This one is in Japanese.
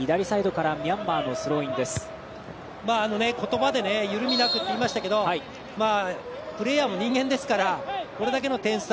言葉で緩みなくって言いましたけどプレーヤーも人間ですからこれだけの点差。